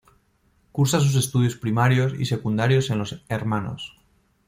Cursa sus estudios primarios y secundarios en los Hnos.